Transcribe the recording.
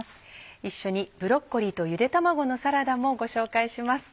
一緒に「ブロッコリーとゆで卵のサラダ」もご紹介します。